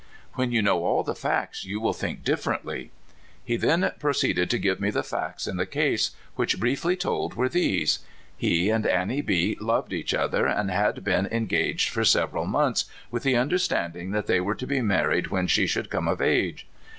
"When you know all the facts you will think differently." He then proceeded to give me the facts in the case, which, briefly told, were these: He and An nie B loved each other, and had been en gaged for several months, with the understanding that they were to be married when she should come of age.